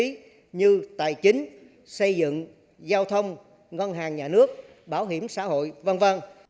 quản lý như tài chính xây dựng giao thông ngân hàng nhà nước bảo hiểm xã hội v v